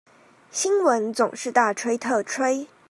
新聞總是大吹特吹